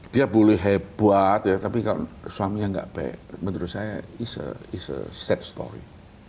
dia boleh hebat tapi kalau suaminya gak baik menurut saya it's a sad story